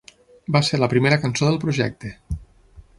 Va ser la primera cançó del projecte.